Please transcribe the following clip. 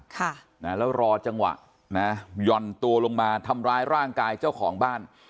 ค่ะนะแล้วรอจังหวะนะหย่อนตัวลงมาทำร้ายร่างกายเจ้าของบ้าน